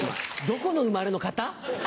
どこの生まれの方？